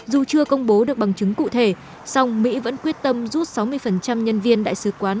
dù chưa công bố được bằng chứng cụ thể song mỹ vẫn quyết tâm rút sáu mươi nhân viên đại sứ quán